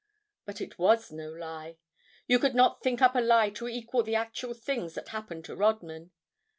But it was no lie. You could not think up a lie to equal the actual things that happened to Rodman.